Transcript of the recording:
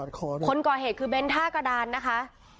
คนคนก่อเหตุคือเบ้นท่ากระดานนะคะ